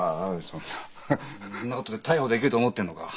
そんなことで逮捕できると思ってんのか？